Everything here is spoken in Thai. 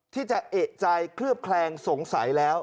ที่จะเอกใจเคลือบแคลงสงสัยแล้ว